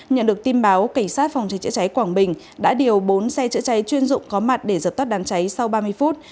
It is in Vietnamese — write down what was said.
nhận được tin báo cảnh sát phòng cháy chữa cháy quảng bình đã điều bốn xe chữa cháy chuyên dụng có mặt để dập tắt đám cháy sau ba mươi phút